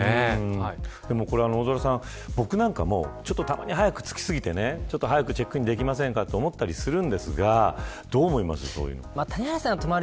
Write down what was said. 大空さん、僕なんかもたまに早く着きすぎて早くチェックインできませんかと思ったりするんですがどう思います。